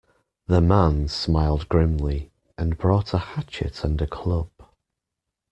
The man smiled grimly, and brought a hatchet and a club.